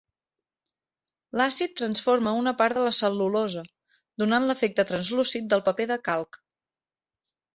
L'àcid transforma una part de la cel·lulosa, donant l'efecte translúcid del paper de calc.